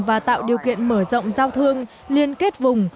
và tạo điều kiện mở rộng giao thương liên kết vùng